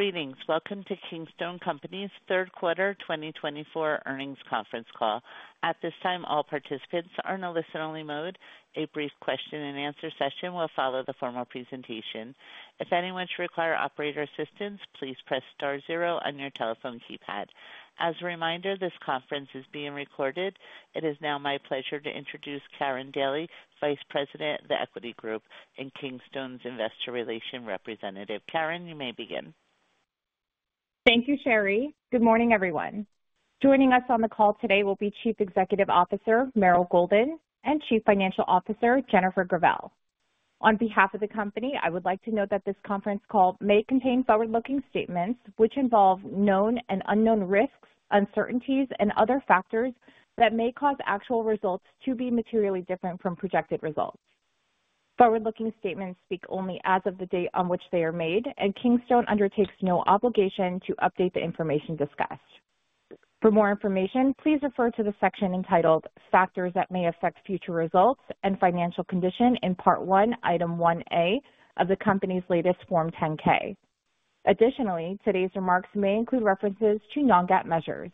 Greetings. Welcome to Kingstone Companies' third quarter 2024 earnings conference call. At this time, all participants are in a listen-only mode. A brief question-and-answer session will follow the formal presentation. If anyone should require operator assistance, please press star zero on your telephone keypad. As a reminder, this conference is being recorded. It is now my pleasure to introduce Karin Daly, Vice President of The Equity Group and Kingstone's Investor Relations Representative. Karen, you may begin. Thank you, Sherry. Good morning, everyone. Joining us on the call today will be Chief Executive Officer Meryl Golden and Chief Financial Officer Jennifer Gravelle. On behalf of the company, I would like to note that this conference call may contain forward-looking statements which involve known and unknown risks, uncertainties, and other factors that may cause actual results to be materially different from projected results. Forward-looking statements speak only as of the date on which they are made, and Kingstone undertakes no obligation to update the information discussed. For more information, please refer to the section entitled Factors That May Affect Future Results and Financial Condition in Part 1, Item 1A of the company's latest Form 10-K. Additionally, today's remarks may include references to non-GAAP measures.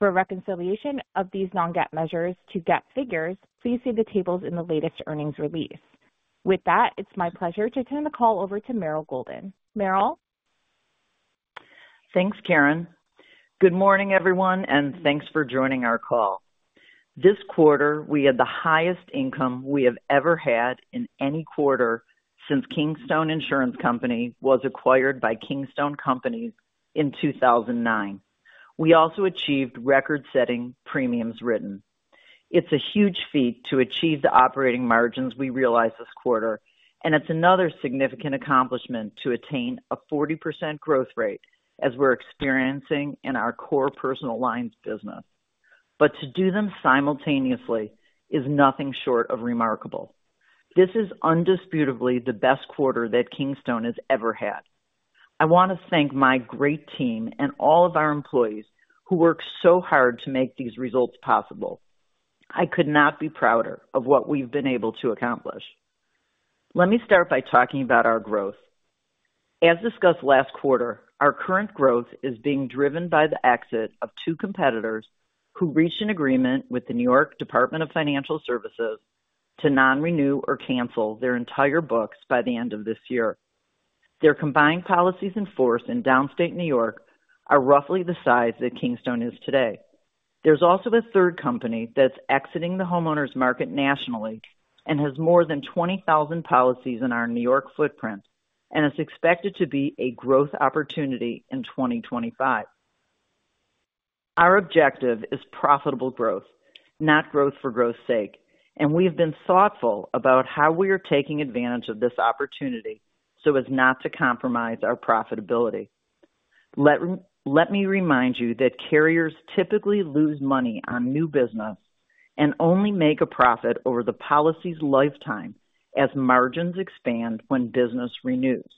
For reconciliation of these non-GAAP measures to GAAP figures, please see the tables in the latest earnings release. With that, it's my pleasure to turn the call over to Meryl Golden. Meryl. Thanks, Karin. Good morning, everyone, and thanks for joining our call. This quarter, we had the highest income we have ever had in any quarter since Kingstone Insurance Company was acquired by Kingstone Companies in 2009. We also achieved record-setting premiums written. It's a huge feat to achieve the operating margins we realized this quarter, and it's another significant accomplishment to attain a 40% growth rate as we're experiencing in our core personal lines business. But to do them simultaneously is nothing short of remarkable. This is indisputably the best quarter that Kingstone has ever had. I want to thank my great team and all of our employees who worked so hard to make these results possible. I could not be prouder of what we've been able to accomplish. Let me start by talking about our growth. As discussed last quarter, our current growth is being driven by the exit of two competitors who reached an agreement with the New York Department of Financial Services to non-renew or cancel their entire books by the end of this year. Their combined policies in force in Downstate New York are roughly the size that Kingstone is today. There's also a third company that's exiting the homeowners market nationally and has more than 20,000 policies in our New York footprint and is expected to be a growth opportunity in 2025. Our objective is profitable growth, not growth for growth's sake, and we have been thoughtful about how we are taking advantage of this opportunity so as not to compromise our profitability. Let me remind you that carriers typically lose money on new business and only make a profit over the policy's lifetime as margins expand when business renews.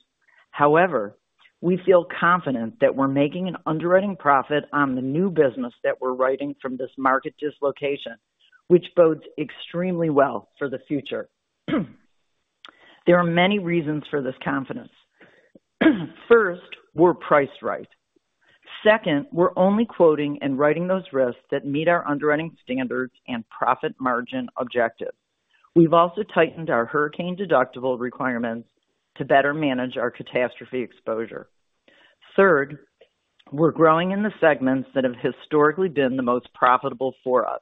However, we feel confident that we're making an underwriting profit on the new business that we're writing from this market dislocation, which bodes extremely well for the future. There are many reasons for this confidence. First, we're priced right. Second, we're only quoting and writing those risks that meet our underwriting standards and profit margin objectives. We've also tightened our hurricane deductible requirements to better manage our catastrophe exposure. Third, we're growing in the segments that have historically been the most profitable for us.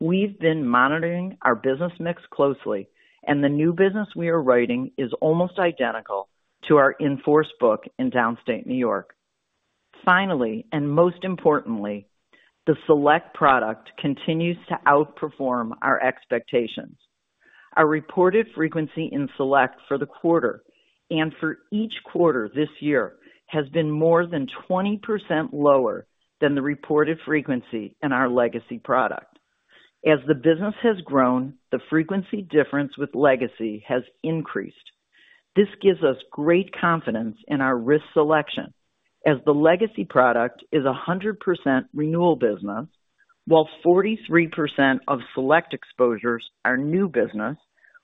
We've been monitoring our business mix closely, and the new business we are writing is almost identical to our in force book in Downstate New York. Finally, and most importantly, the Select product continues to outperform our expectations. Our reported frequency in Select for the quarter and for each quarter this year has been more than 20% lower than the reported frequency in our Legacy product. As the business has grown, the frequency difference with Legacy has increased. This gives us great confidence in our risk selection as the Legacy product is a 100% renewal business while 43% of Select exposures are new business,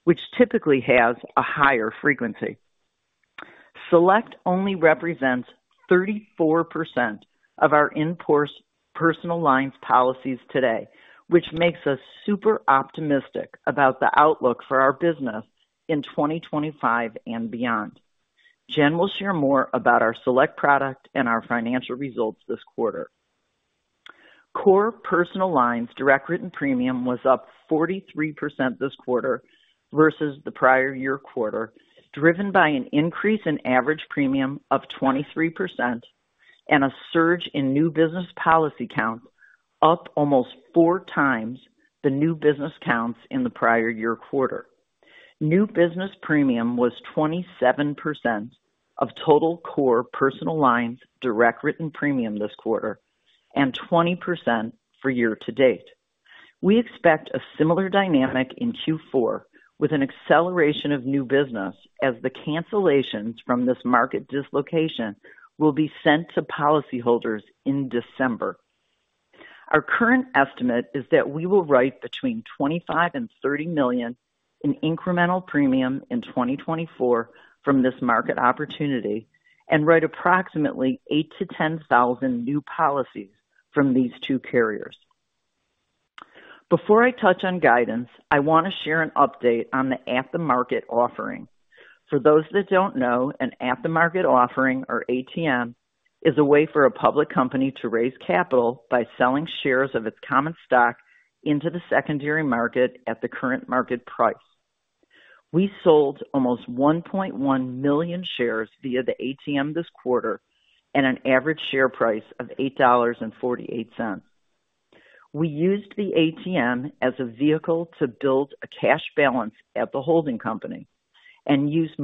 which typically has a higher frequency. Select only represents 34% of our in force personal lines policies today, which makes us super optimistic about the outlook for our business in 2025 and beyond. Jen will share more about our Select product and our financial results this quarter. Core personal lines direct written premium was up 43% this quarter versus the prior year quarter, driven by an increase in average premium of 23% and a surge in new business policy counts, up almost four times the new business counts in the prior year quarter. New business premium was 27% of total core personal lines direct written premium this quarter and 20% for year to date. We expect a similar dynamic in Q4 with an acceleration of new business as the cancellations from this market dislocation will be sent to policyholders in December. Our current estimate is that we will write between $25 million and $30 million in incremental premium in 2024 from this market opportunity and write approximately 8,000-10,000 new policies from these two carriers. Before I touch on guidance, I want to share an update on the at-the-market offering. For those that don't know, an at-the-market offering, or ATM, is a way for a public company to raise capital by selling shares of its common stock into the secondary market at the current market price. We sold almost 1.1 million shares via the ATM this quarter at an average share price of $8.48. We used the ATM as a vehicle to build a cash balance at the holding company and used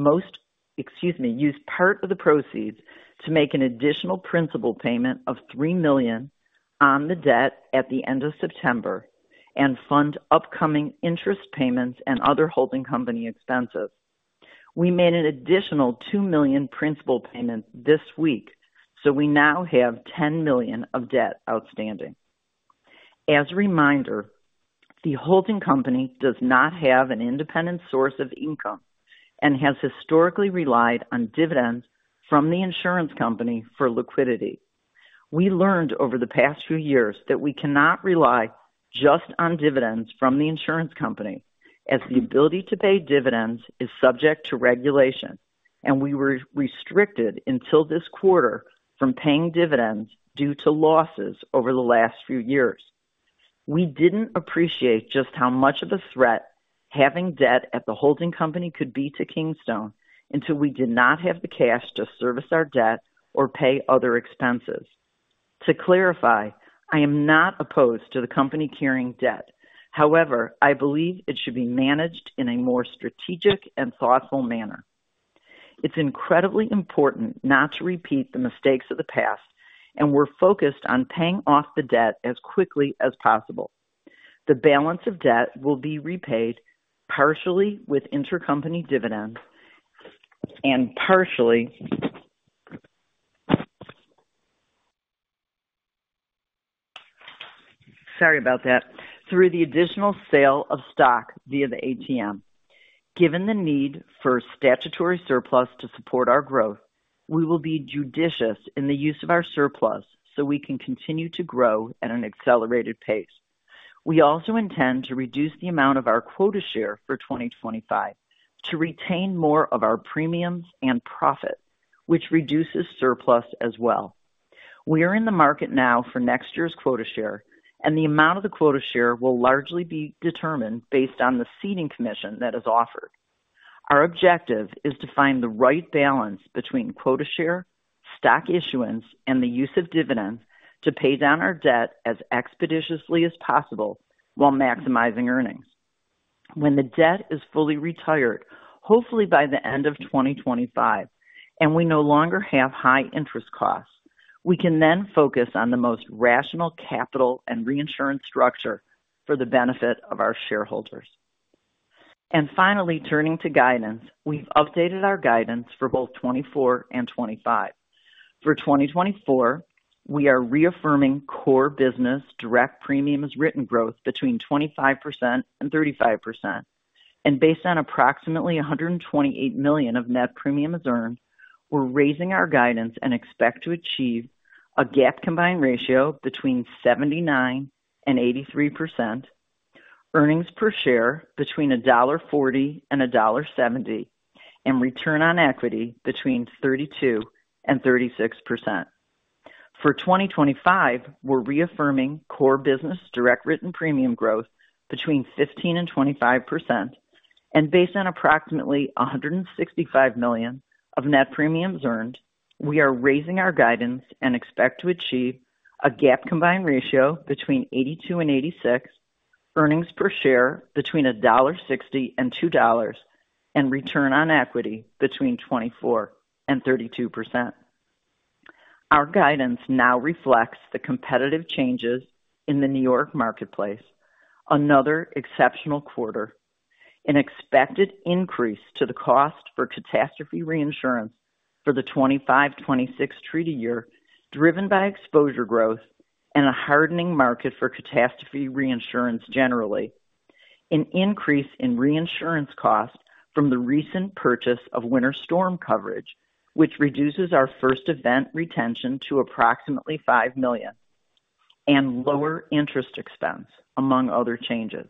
part of the proceeds to make an additional principal payment of $3 million on the debt at the end of September and fund upcoming interest payments and other holding company expenses. We made an additional $2 million principal payment this week, so we now have $10 million of debt outstanding. As a reminder, the holding company does not have an independent source of income and has historically relied on dividends from the insurance company for liquidity. We learned over the past few years that we cannot rely just on dividends from the insurance company as the ability to pay dividends is subject to regulation, and we were restricted until this quarter from paying dividends due to losses over the last few years. We didn't appreciate just how much of a threat having debt at the holding company could be to Kingstone until we did not have the cash to service our debt or pay other expenses. To clarify, I am not opposed to the company carrying debt. However, I believe it should be managed in a more strategic and thoughtful manner. It's incredibly important not to repeat the mistakes of the past, and we're focused on paying off the debt as quickly as possible. The balance of debt will be repaid partially with intercompany dividends and partially, sorry about that, through the additional sale of stock via the ATM. Given the need for statutory surplus to support our growth, we will be judicious in the use of our surplus so we can continue to grow at an accelerated pace. We also intend to reduce the amount of our quota share for 2025 to retain more of our premiums and profit, which reduces surplus as well. We are in the market now for next year's quota share, and the amount of the quota share will largely be determined based on the ceding commission that is offered. Our objective is to find the right balance between quota share, stock issuance, and the use of dividends to pay down our debt as expeditiously as possible while maximizing earnings. When the debt is fully retired, hopefully by the end of 2025, and we no longer have high interest costs, we can then focus on the most rational capital and reinsurance structure for the benefit of our shareholders. And finally, turning to guidance, we've updated our guidance for both 2024 and 2025. For 2024, we are reaffirming core business direct premiums written growth between 25% and 35%, and based on approximately 128 million of net premiums earned, we're raising our guidance and expect to achieve a GAAP combined ratio between 79% and 83%, earnings per share between $1.40 and $1.70, and return on equity between 32% and 36%. For 2025, we're reaffirming core business direct written premium growth between 15% and 25%, and based on approximately $165 million of net premiums earned, we are raising our guidance and expect to achieve a GAAP combined ratio between 82% and 86%, earnings per share between $1.60 and $2, and return on equity between 24% and 32%. Our guidance now reflects the competitive changes in the New York marketplace, another exceptional quarter, an expected increase to the cost for catastrophe reinsurance for the 2025-2026 treaty year, driven by exposure growth and a hardening market for catastrophe reinsurance generally, an increase in reinsurance costs from the recent purchase of winter storm coverage, which reduces our first event retention to approximately $5 million, and lower interest expense, among other changes.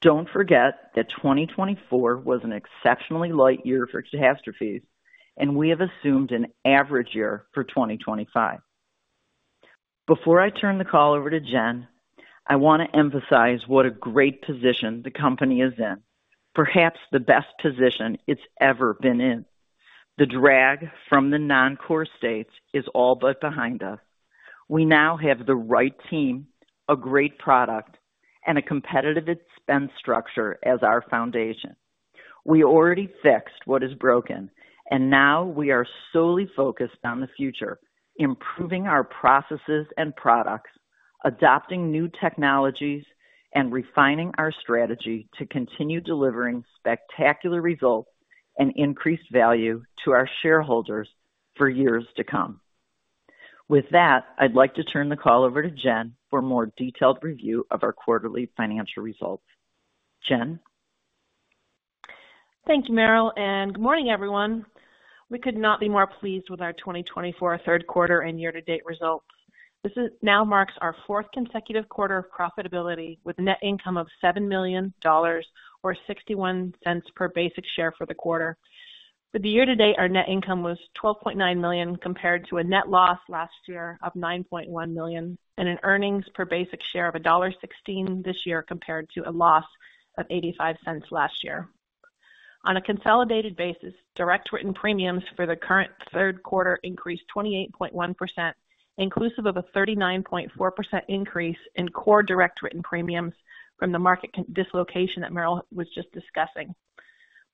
Don't forget that 2024 was an exceptionally light year for catastrophes, and we have assumed an average year for 2025. Before I turn the call over to Jen, I want to emphasize what a great position the company is in, perhaps the best position it's ever been in. The drag from the non-core states is all but behind us. We now have the right team, a great product, and a competitive expense structure as our foundation. We already fixed what is broken, and now we are solely focused on the future, improving our processes and products, adopting new technologies, and refining our strategy to continue delivering spectacular results and increased value to our shareholders for years to come. With that, I'd like to turn the call over to Jen for a more detailed review of our quarterly financial results. Jen. Thank you, Meryl, and good morning, everyone. We could not be more pleased with our 2024 third quarter and year-to-date results. This now marks our fourth consecutive quarter of profitability with a net income of $7 million, or $0.61 per basic share for the quarter. For the year-to-date, our net income was $12.9 million compared to a net loss last year of $9.1 million and an earnings per basic share of $1.16 this year compared to a loss of $0.85 last year. On a consolidated basis, direct written premiums for the current third quarter increased 28.1%, inclusive of a 39.4% increase in core direct written premiums from the market dislocation that Meryl was just discussing,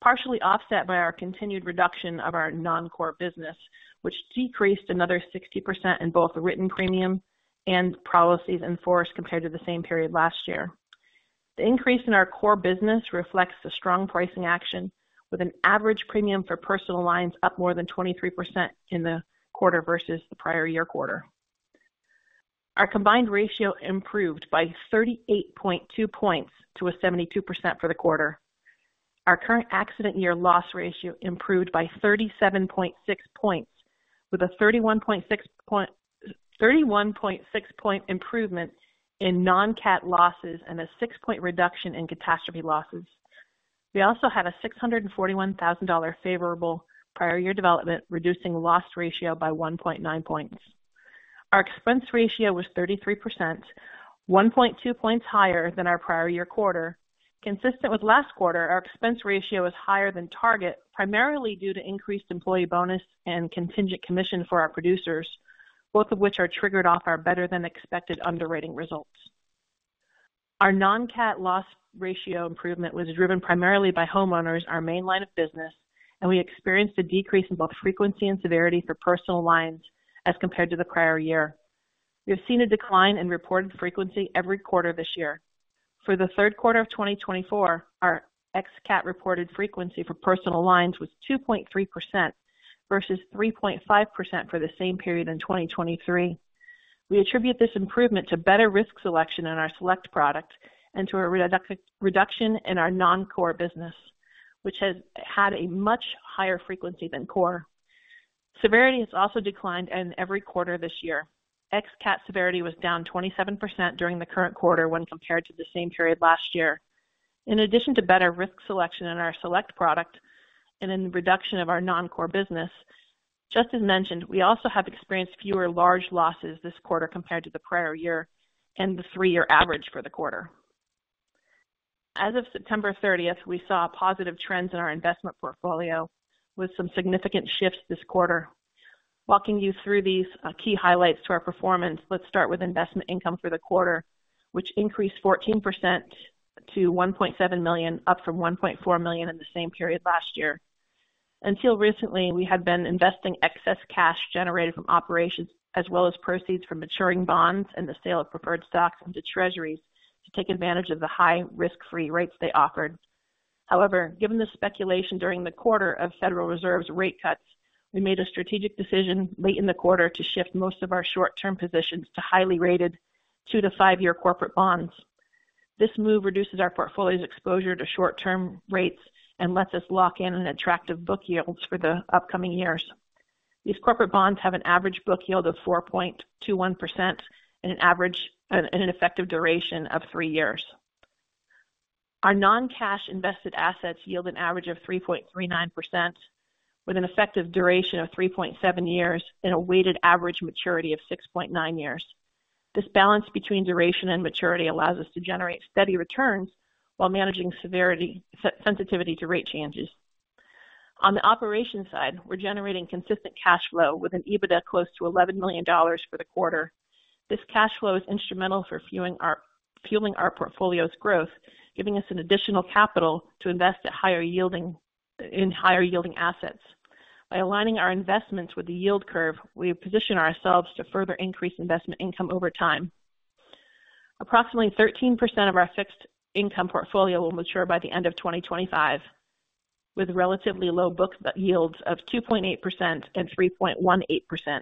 partially offset by our continued reduction of our non-core business, which decreased another 60% in both the written premium and policies in force compared to the same period last year. The increase in our core business reflects the strong pricing action, with an average premium for personal lines up more than 23% in the quarter versus the prior year quarter. Our combined ratio improved by 38.2 points to a 72% for the quarter. Our current Accident Year Loss Ratio improved by 37.6 points, with a 31.6-point improvement in non-cat losses and a 6-point reduction in catastrophe losses. We also had a $641,000 favorable prior year development, reducing loss ratio by 1.9 points. Our expense ratio was 33%, 1.2 points higher than our prior year quarter. Consistent with last quarter, our expense ratio is higher than target, primarily due to increased employee bonus and contingent commission for our producers, both of which are triggered off our better-than-expected underwriting results. Our Non-Catastrophe Loss Ratio improvement was driven primarily by homeowners, our main line of business, and we experienced a decrease in both frequency and severity for personal lines as compared to the prior year. We have seen a decline in reported frequency every quarter this year. For the third quarter of 2024, our ex-cat reported frequency for personal lines was 2.3% versus 3.5% for the same period in 2023. We attribute this improvement to better risk selection in our Select product and to a reduction in our non-core business, which has had a much higher frequency than core. Severity has also declined in every quarter this year. Ex-cat severity was down 27% during the current quarter when compared to the same period last year. In addition to better risk selection in our Select product and in the reduction of our non-core business, just as mentioned, we also have experienced fewer large losses this quarter compared to the prior year and the three-year average for the quarter. As of September 30th, we saw positive trends in our investment portfolio with some significant shifts this quarter. Walking you through these key highlights to our performance, let's start with investment income for the quarter, which increased 14% to $1.7 million, up from $1.4 million in the same period last year. Until recently, we had been investing excess cash generated from operations as well as proceeds from maturing bonds and the sale of preferred stocks into treasuries to take advantage of the high risk-free rates they offered. However, given the speculation during the quarter of Federal Reserve's rate cuts, we made a strategic decision late in the quarter to shift most of our short-term positions to highly rated two-year to five-year corporate bonds. This move reduces our portfolio's exposure to short-term rates and lets us lock in an attractive book yield for the upcoming years. These corporate bonds have an average book yield of 4.21% and an effective duration of three years. Our non-cash invested assets yield an average of 3.39% with an effective duration of 3.7 years and a weighted average maturity of 6.9 years. This balance between duration and maturity allows us to generate steady returns while managing sensitivity to rate changes. On the operations side, we're generating consistent cash flow with an EBITDA close to $11 million for the quarter. This cash flow is instrumental for fueling our portfolio's growth, giving us an additional capital to invest in higher-yielding assets. By aligning our investments with the yield curve, we position ourselves to further increase investment income over time. Approximately 13% of our fixed income portfolio will mature by the end of 2025, with relatively low book yields of 2.8% and 3.18%.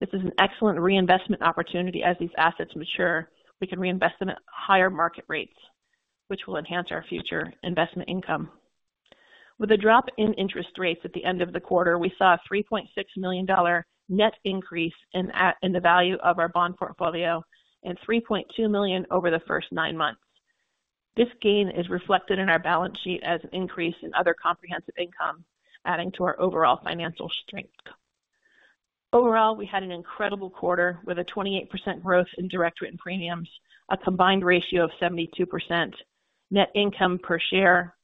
This is an excellent reinvestment opportunity as these assets mature. We can reinvest them at higher market rates, which will enhance our future investment income. With a drop in interest rates at the end of the quarter, we saw a $3.6 million net increase in the value of our bond portfolio and $3.2 million over the first nine months. This gain is reflected in our balance sheet as an increase in other comprehensive income, adding to our overall financial strength. Overall, we had an incredible quarter with a 28% growth in direct written premiums, a combined ratio of 72%, net income per share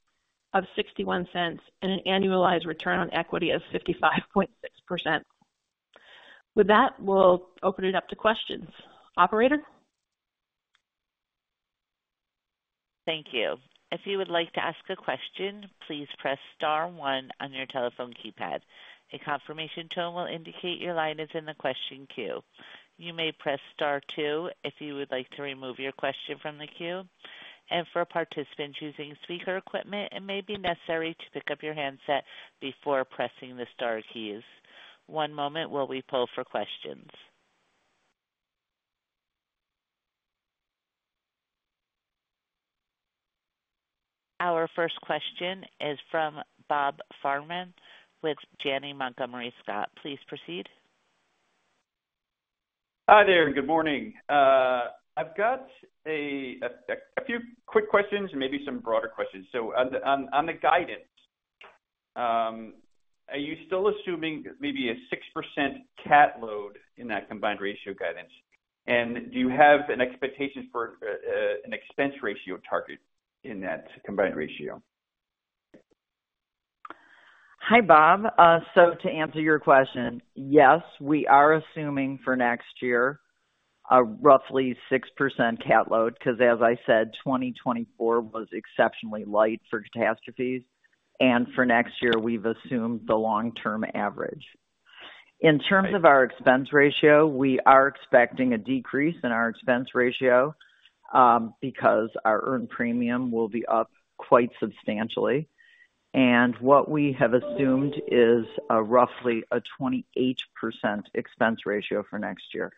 of $0.61, and an annualized return on equity of 55.6%. With that, we'll open it up to questions. Operator? Thank you. If you would like to ask a question, please press star one on your telephone keypad. A confirmation tone will indicate your line is in the question queue. You may press star two if you would like to remove your question from the queue. And for participants using speaker equipment, it may be necessary to pick up your handset before pressing the star keys. One moment while we poll for questions. Our first question is from Bob Farnam with Janney Montgomery Scott. Please proceed. Hi there. Good morning. I've got a few quick questions and maybe some broader questions. So on the guidance, are you still assuming maybe a 6% cat load in that combined ratio guidance? And do you have an expectation for an expense ratio target in that combined ratio? Hi, Bob. So to answer your question, yes, we are assuming for next year a roughly 6% cat load because, as I said, 2024 was exceptionally light for catastrophes. And for next year, we've assumed the long-term average. In terms of our expense ratio, we are expecting a decrease in our expense ratio because our earned premium will be up quite substantially. And what we have assumed is roughly a 28% expense ratio for next year.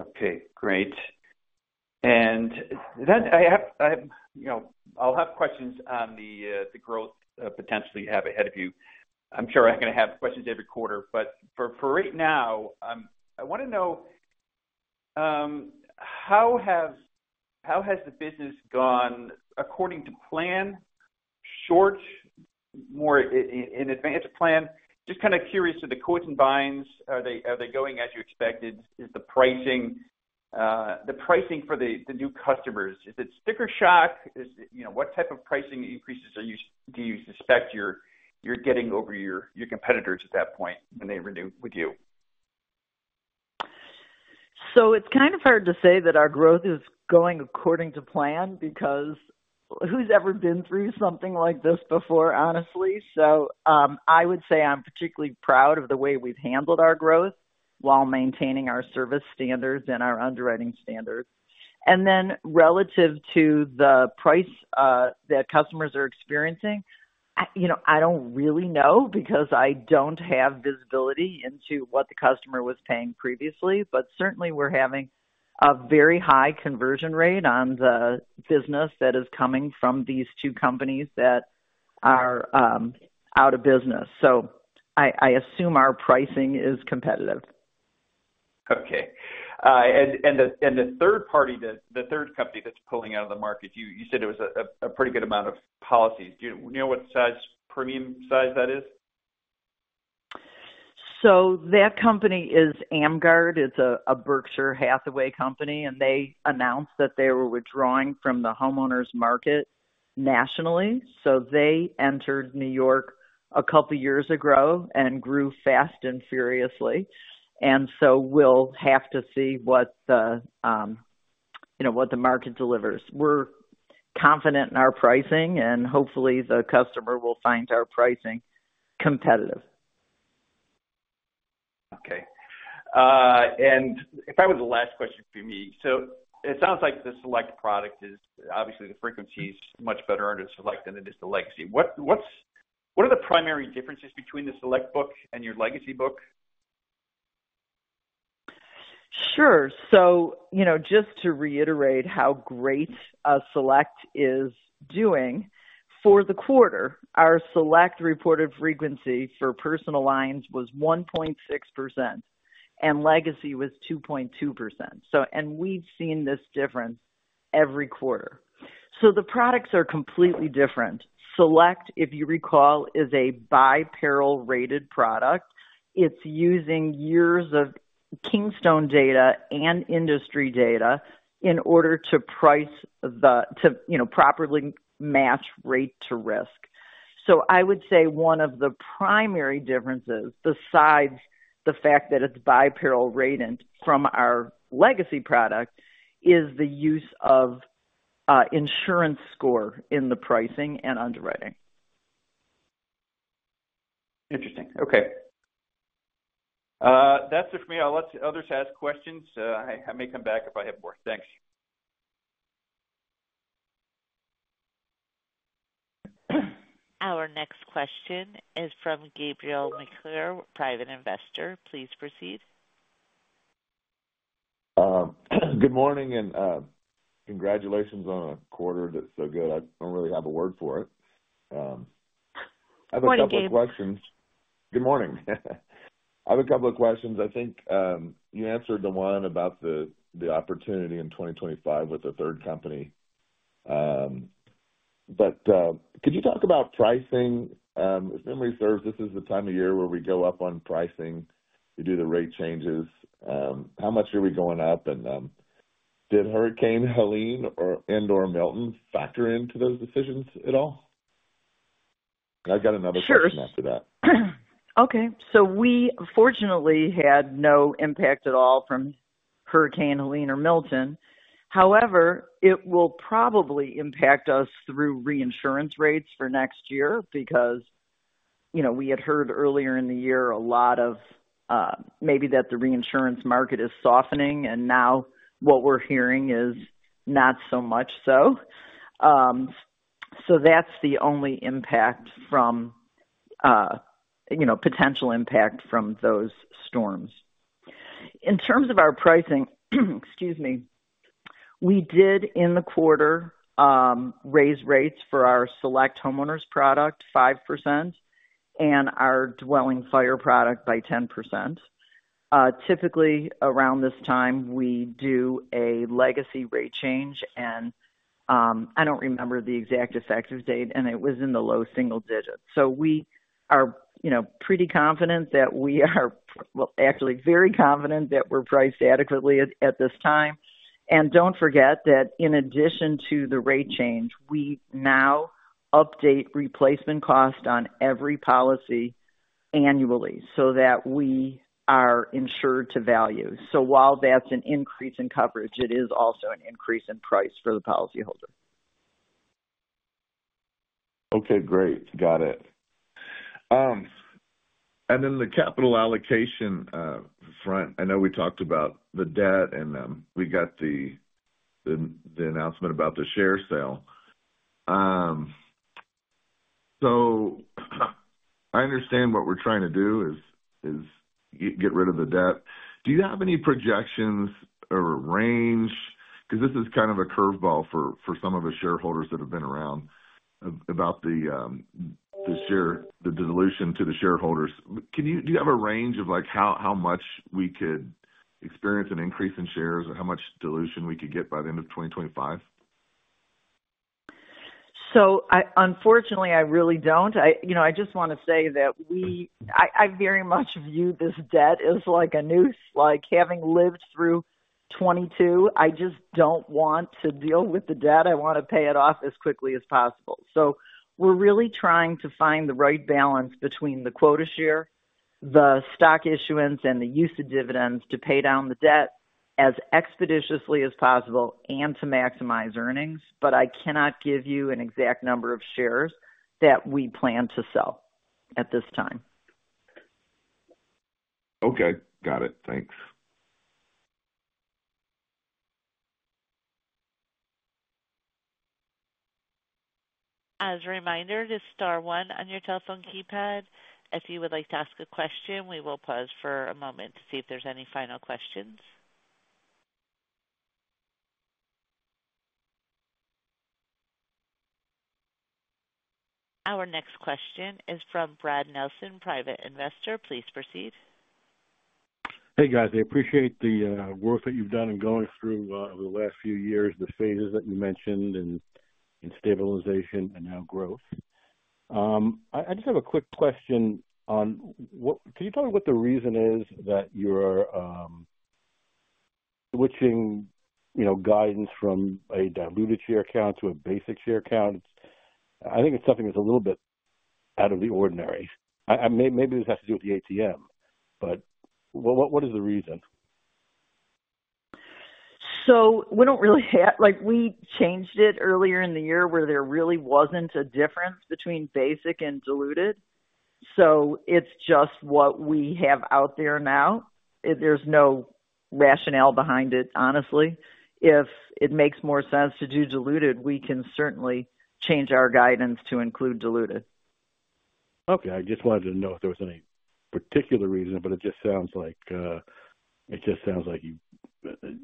Okay. Great. And I'll have questions on the growth potentially you have ahead of you. I'm sure I'm going to have questions every quarter. But for right now, I want to know how has the business gone according to plan, short, more in advance of plan? Just kind of curious, are the quotes and buyings, are they going as you expected? Is the pricing for the new customers, is it sticker shock? What type of pricing increases do you suspect you're getting over your competitors at that point when they renew with you? So it's kind of hard to say that our growth is going according to plan because who's ever been through something like this before, honestly? So I would say I'm particularly proud of the way we've handled our growth while maintaining our service standards and our underwriting standards. And then relative to the price that customers are experiencing, I don't really know because I don't have visibility into what the customer was paying previously. But certainly, we're having a very high conversion rate on the business that is coming from these two companies that are out of business. So I assume our pricing is competitive. Okay, and the third party, the third company that's pulling out of the market, you said it was a pretty good amount of policies. Do you know what size, premium size that is? That company is AmGUARD Insurance Company. It's a Berkshire Hathaway company. They announced that they were withdrawing from the homeowners market nationally. They entered New York a couple of years ago and grew fast and furiously. We'll have to see what the market delivers. We're confident in our pricing, and hopefully, the customer will find our pricing competitive. Okay. And if I would, the last question for me. So it sounds like the Select product is obviously the frequency is much better under Select than it is the Legacy. What are the primary differences between the Select book and your Legacy book? Sure. So just to reiterate how great Select is doing, for the quarter, our Select reported frequency for personal lines was 1.6%, and Legacy was 2.2%. And we've seen this difference every quarter. So the products are completely different. Select, if you recall, is a by-peril-rated product. It's using years of Kingstone data and industry data in order to properly match rate to risk. So I would say one of the primary differences, besides the fact that it's by-peril-rated from our Legacy product, is the use of insurance score in the pricing and underwriting. Interesting. Okay. That's it for me. I'll let the others ask questions. I may come back if I have more. Thanks. Our next question is from Gabriel McClure, private investor. Please proceed. Good morning and congratulations on a quarter that's so good. I don't really have a word for it. I have a couple of questions. Morning, Gabriel. Good morning. I have a couple of questions. I think you answered the one about the opportunity in 2025 with the third company. But could you talk about pricing? If memory serves, this is the time of year where we go up on pricing. We do the rate changes. How much are we going up? And did Hurricane Helene and/or Milton factor into those decisions at all? I've got another question after that. Sure. Okay. So we, fortunately, had no impact at all from Hurricane Helene or Milton. However, it will probably impact us through reinsurance rates for next year because we had heard earlier in the year a lot of maybe that the reinsurance market is softening. And now what we're hearing is not so much so. So that's the only potential impact from those storms. In terms of our pricing, excuse me, we did in the quarter raise rates for our Select homeowners product 5% and our dwelling fire product by 10%. Typically, around this time, we do a Legacy rate change. And I don't remember the exact effective date, and it was in the low single digits. So we are pretty confident that we are actually very confident that we're priced adequately at this time. Don't forget that in addition to the rate change, we now update replacement cost on every policy annually so that we are insured to value. While that's an increase in coverage, it is also an increase in price for the policyholder. Okay. Great. Got it. And then the capital allocation front, I know we talked about the debt, and we got the announcement about the share sale. So I understand what we're trying to do is get rid of the debt. Do you have any projections or range? Because this is kind of a curveball for some of the shareholders that have been around about the dilution to the shareholders. Do you have a range of how much we could experience an increase in shares or how much dilution we could get by the end of 2025? So unfortunately, I really don't. I just want to say that I very much view this debt as like a noose. Having lived through 2022, I just don't want to deal with the debt. I want to pay it off as quickly as possible. So we're really trying to find the right balance between the quota share, the stock issuance, and the use of dividends to pay down the debt as expeditiously as possible and to maximize earnings. But I cannot give you an exact number of shares that we plan to sell at this time. Okay. Got it. Thanks. As a reminder, this is star one on your telephone keypad. If you would like to ask a question, we will pause for a moment to see if there's any final questions. Our next question is from Brad Nelson, private investor. Please proceed. Hey, guys. I appreciate the work that you've done in going through over the last few years, the phases that you mentioned and stabilization and now growth. I just have a quick question on can you tell me what the reason is that you're switching guidance from a diluted share count to a basic share count? I think it's something that's a little bit out of the ordinary. Maybe this has to do with the ATM. But what is the reason? So we don't really have. We changed it earlier in the year where there really wasn't a difference between basic and diluted. So it's just what we have out there now. There's no rationale behind it, honestly. If it makes more sense to do diluted, we can certainly change our guidance to include diluted. Okay. I just wanted to know if there was any particular reason, but it just sounds like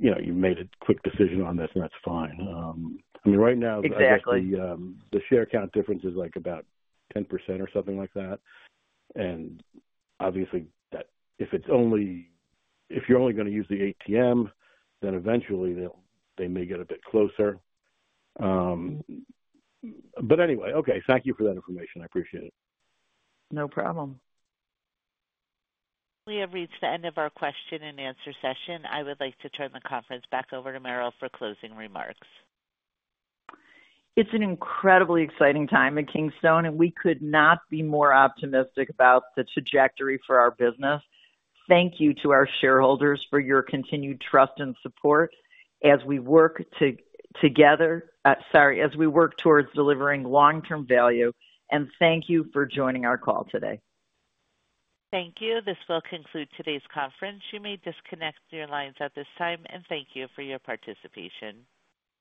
you made a quick decision on this, and that's fine. I mean, right now. Exactly. The share account difference is like about 10% or something like that, and obviously, if you're only going to use the ATM, then eventually, they may get a bit closer, but anyway, okay. Thank you for that information. I appreciate it. No problem. We have reached the end of our question-and-answer session. I would like to turn the conference back over to Meryl for closing remarks. It's an incredibly exciting time at Kingstone, and we could not be more optimistic about the trajectory for our business. Thank you to our shareholders for your continued trust and support as we work together towards delivering long-term value, and thank you for joining our call today. Thank you. This will conclude today's conference. You may disconnect your lines at this time, and thank you for your participation.